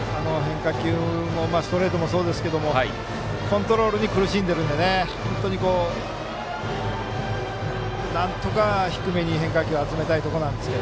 ストレートもそうですが変化球もコントロールに苦しんでいるのでなんとか低めに変化球を集めたいところですが。